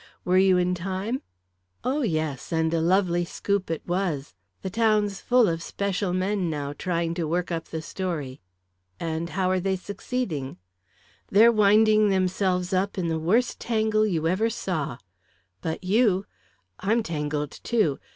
"Were you in time?" "Oh, yes; and a lovely scoop it was. The town's full of special men, now, trying to work up the story." "And how are they succeeding?" "They're winding themselves up in the worst tangle you ever saw " "But you " "I'm tangled, too.